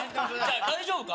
大丈夫か？